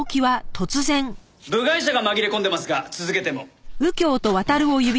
部外者が紛れ込んでますが続けても？